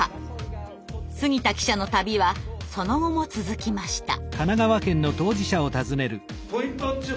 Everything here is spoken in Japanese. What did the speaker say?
杉田記者の旅はその後も続きました。